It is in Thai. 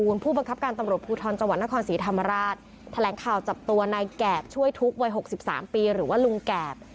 ผู้บังคับการตำรวจภูทรจังหวัดนครศรีธรรมราชแถลงข่าวจับตัวนายแกบช่วยทุกข์วัย๖๓ปีหรือว่าลุงแกบ